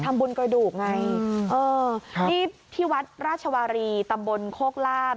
ทำบุญกระดูกไงเออนี่ที่วัดราชวารีตำบลโคกลาบ